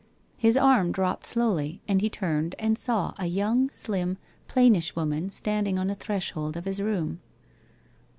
His arm dropped slowly and he turned and saw a young, slim, plainish woman standing on the threshold of his room.